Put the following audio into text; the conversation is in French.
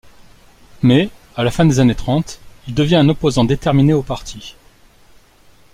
Mais, à la fin des années trente, il devient un opposant déterminé au parti.